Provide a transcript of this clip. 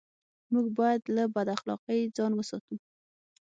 موږ بايد له بد اخلاقۍ ځان و ساتو.